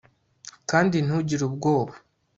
kandi ntugire ubwoba